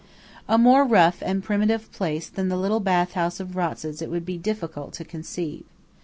A more rough and primitive place than the little Bath House of Ratzes it would be difficult to conceive.